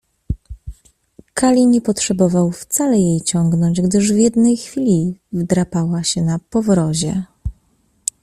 Kali nie potrzebował wcale jej ciągnąć, gdyż w jednej chwili wdrapała się po powrozie.